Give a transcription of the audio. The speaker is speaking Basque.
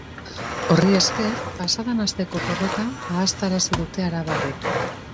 Horri esker, pasadan hasteko porrota ahaztarazi dute arabarrek.